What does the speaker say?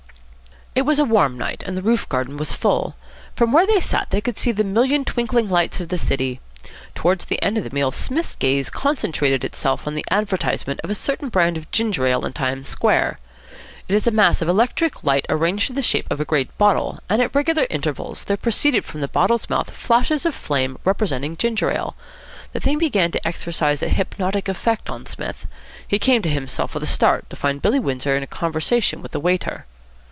It was a warm night, and the roof garden was full. From where they sat they could see the million twinkling lights of the city. Towards the end of the meal, Psmith's gaze concentrated itself on the advertisement of a certain brand of ginger ale in Times Square. It is a mass of electric light arranged in the shape of a great bottle, and at regular intervals there proceed from the bottle's mouth flashes of flame representing ginger ale. The thing began to exercise a hypnotic effect on Psmith. He came to himself with a start, to find Billy Windsor in conversation with a waiter.